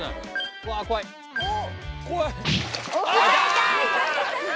うわ怖い。